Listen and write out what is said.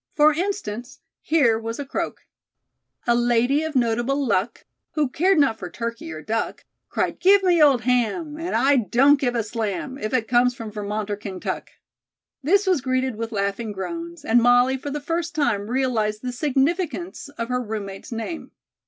For instance, here was a croak: "A lady of notable luck, Who cared not for turkey or duck, Cried, 'Give me old ham And I don't give a slam, If it comes from Vermont or Kaintuck.'" This was greeted with laughing groans, and Molly for the first time realized the significance of her roommate's name.